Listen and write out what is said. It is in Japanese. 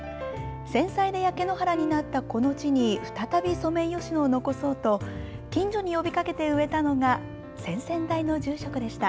戦災で焼け野原になったこの地に再びソメイヨシノを残そうと近所に呼びかけて植えたのが先々代の住職でした。